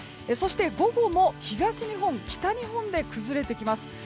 そして、午後も東日本、北日本で崩れてきます。